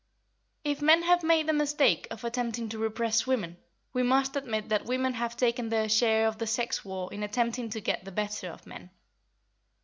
If men have made the mistake of attempting to repress women, we must admit that women have taken their share of the sex war in attempting to get the better of men.